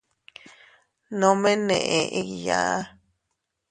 Nome neʼe igyaa.